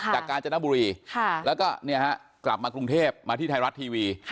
กาญจนบุรีแล้วก็กลับมากรุงเทพมาที่ไทยรัฐทีวี